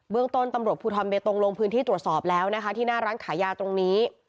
ต้นตำรวจภูทรเบตงลงพื้นที่ตรวจสอบแล้วนะคะที่หน้าร้านขายยาตรงนี้